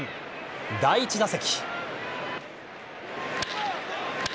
第１打席。